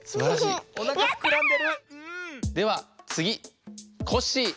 ではつぎコッシー。